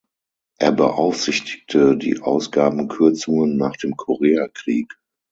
Er beaufsichtigte die Ausgabenkürzungen nach dem Koreakrieg.